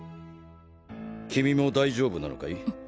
君も大丈夫なのかい？